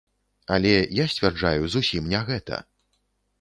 Але я сцвярджаю зусім не гэта.